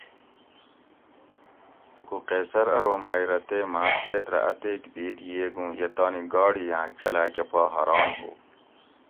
تھوکو قیصر ارو مئ رہ تے ماں سیت رہ اتیک بھید ییگوں یہ تانی گاڑی آں چلاۤ کہ پا حاران ھو